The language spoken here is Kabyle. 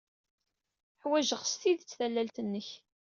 Ḥwajeɣ s tidet tallalt-nnek.